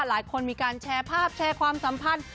หลายคนมีการแชร์ภาพแชร์ความสัมพันธ์